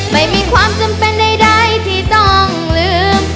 ไม่มีความจำเป็นใดที่ต้องลืม